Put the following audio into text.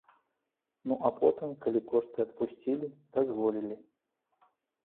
Ну а потым, калі кошты адпусцілі, дазволілі.